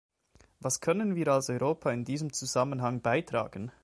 Was können wir als Europa in diesem Zusammenhang beitragen?